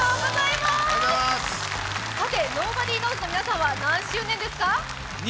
そしてｎｏｂｏｄｙｋｎｏｗｓ＋の皆さんは何周年ですか？